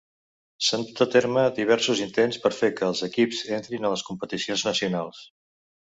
S'han dut a terme diversos intents per fer que els equips entrin a les competicions nacionals.